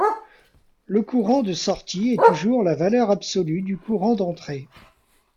Le courant de sortie est toujours la valeur absolue du courant d'entrée.